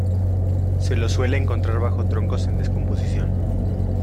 Se los suele encontrar bajo troncos en descomposición.